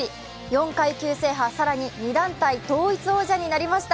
４階級制覇、更に２団体統一王者になりました。